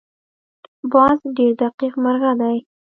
باز ډېر دقیق مرغه دی